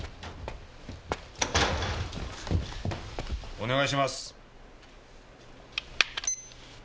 お願いします。